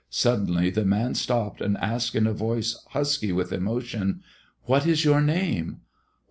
Suddenly the man stopped and asked in a voice husky with emotion, "What is your name?"